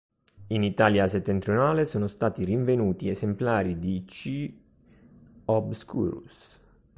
In Italia settentrionale sono stati rinvenuti esemplari di "C. obscurus".